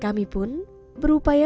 kami pun berupaya